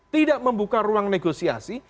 tidak membuka ruang negosiasi